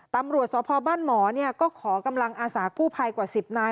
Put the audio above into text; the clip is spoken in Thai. ตำรวจสพบ้านหมอก็ขอกำลังอาสากู้ภัยกว่า๑๐นาย